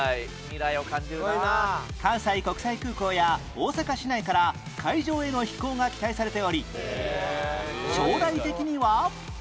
関西国際空港や大阪市内から会場への飛行が期待されており将来的には